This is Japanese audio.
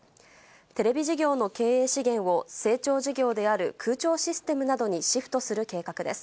テレビ事業の経営資源を、成長事業である空調システムなどにシフトする計画です。